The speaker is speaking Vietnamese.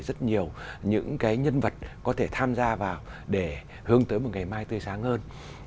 rất nhiều những cái nhân vật có thể tham gia vào để hướng tới một ngày mai tươi sáng hơn